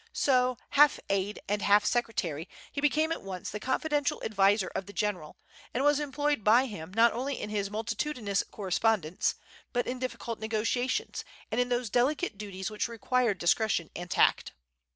So, half aide and half secretary, he became at once the confidential adviser of the General, and was employed by him not only in his multitudinous correspondence, but in difficult negotiations, and in those delicate duties which required discretion and tact.